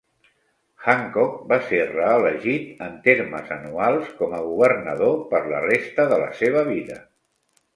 Hancock va ser reelegit en termes anuals com a governador per la resta de la seva vida.